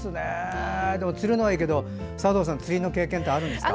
釣るのはいいけど佐藤さん、釣りの経験ってあるんですか？